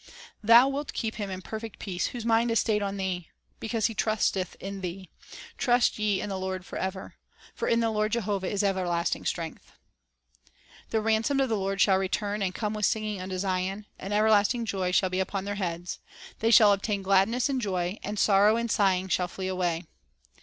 Thou wilt keep him in perfect peace Whose mind is stayed on Thee ; because he trusteth in Thee. Trust ye in the Lord forever; For in the Lord Jehovah is everlasting strength." 1 "The ransomed of the Lord shall return, and come " with Singing with singing unto Zion; and everlasting joy shall be zion" upon their heads; they shall obtain gladness and joy, and sorrow and sighing shall flee away."''